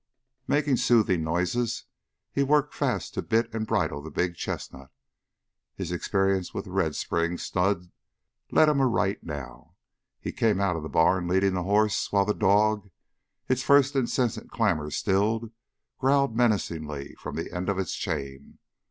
Making soothing noises, he worked fast to bit and bridle the big chestnut. His experience with the Red Springs stud led him aright now. He came out of the barn leading the horse while the dog, its first incessant clamor stilled, growled menacingly from the end of its chain.